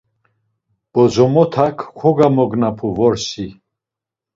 Bozomotak kogomognapu vorsi.